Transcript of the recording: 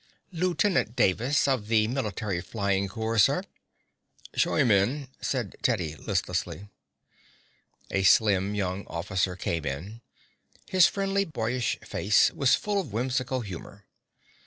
"Lieutenant Davis, of the military flying corps, sir." "Show him in," said Teddy listlessly. A slim young officer came in. His friendly, boyish face was full of a whimsical humor.